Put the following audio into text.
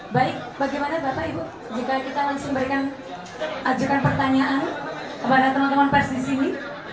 baik bagaimana bapak ibu jika kita langsung berikan ajukan pertanyaan kepada teman teman pers di sini